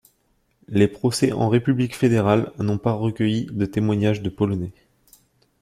Les procès en République fédérale n'ont pas recueilli de témoignages de Polonais.